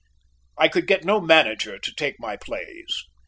I could get no manager to take my plays.